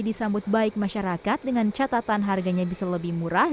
disambut baik masyarakat dengan catatan harganya bisa lebih murah